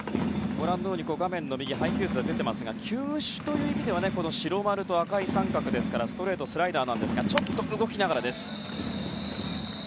ご覧のように画面の右に配球図が出ていますが球種という意味では白丸と赤い三角ですからストレート、スライダーですがちょっと動きながらです。